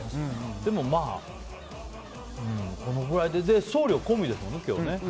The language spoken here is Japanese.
でもまあ、このくらいで送料込みですもんね、今日。